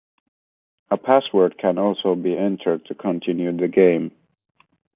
A password can also be entered to continue the game.